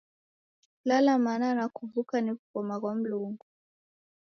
Kulala mana na kuw'uka ni w'ughoma ghwa Mlungu.